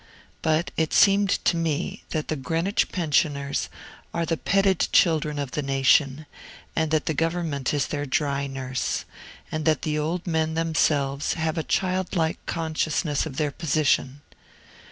But it seemed to me that the Greenwich pensioners are the petted children of the nation, and that the government is their dry nurse, and that the old men themselves have a childlike consciousness of their position.